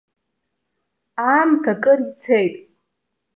Аамҭа кыр цеит.